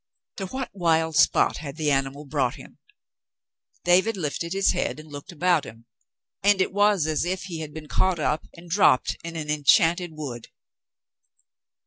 To what wild spot had the animal brought him ? David lifted his head and looked about him, and it was as if he had been caught up and dropped in an enchanted wood.